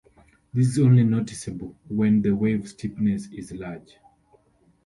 This is only noticeable when the wave steepness is large.